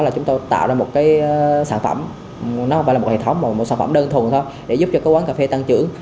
chúng tôi tạo ra một sản phẩm đơn thùng để giúp cho quán cà phê tăng trưởng